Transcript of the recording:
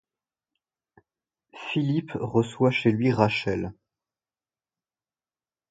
Philip reçoit chez lui Rachel.